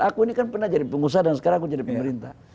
aku ini kan pernah jadi pengusaha dan sekarang aku jadi pemerintah